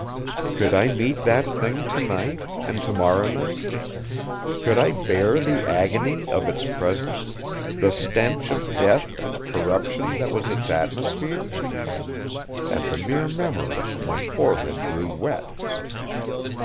Could I meet that Thing tonight, and tomorrow night? Could I bear the agony of Its presence, the stench of death and corruption that was Its atmosphere? At the mere memory my forehead grew wet.